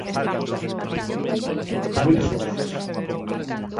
Con moitas cousas.